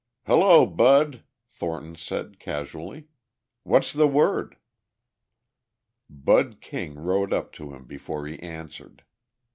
"Hello, Bud," Thornton said casually. "What's the word?" Bud King rode up to him before he answered.